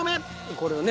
これをね。